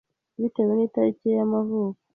Bitewe nitariki ye yamavuko